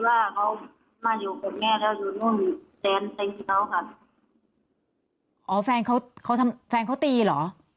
อ๋อาาาฟแฟนเขาแฟนเขาตีหรอ